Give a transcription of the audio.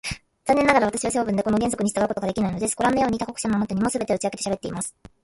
残念ながら、私は性分でこの原則に従うことができないのです。ごらんのように、他国者のあなたにも、すべて打ち明けてしゃべってしまいます。